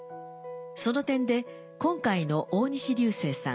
その点で今回の大西流星さん